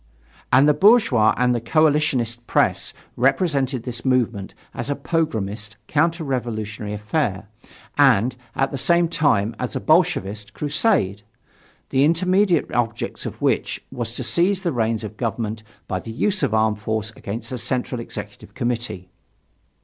But the bourgeois and the coalitionist press represented this movement as a pogromist, counter revolutionary affair, and, at the same time, as a Bolshevist crusade, the immediate object of which was to seize the reins of Government by the use of armed force against the Central Executive Committee.